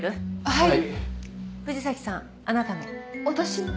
はい。